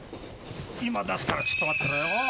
今出すからちょっと待ってろよ。